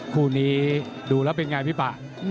คู่นี้ดูแล้วเป็นไงพี่ป่า